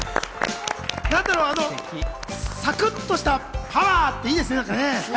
サクッとしたパワー！っていいですね。